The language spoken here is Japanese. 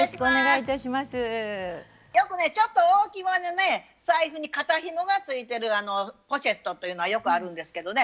よくねちょっと大きめの財布に肩ひもがついてるポシェットというのはよくあるんですけどね